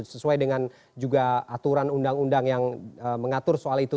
sesuai dengan juga aturan undang undang yang mengatur soal itu